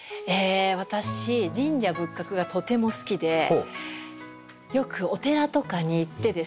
私神社仏閣がとても好きでよくお寺とかに行ってですね